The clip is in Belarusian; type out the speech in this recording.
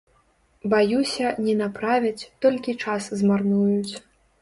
Баюся, не направяць, толькі час змарнуюць.